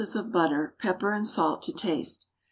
of butter, pepper and salt to taste.